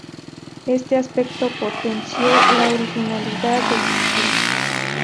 Este aspecto potenció la originalidad del título.